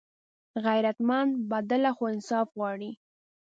غیرتمند بدله خو انصاف غواړي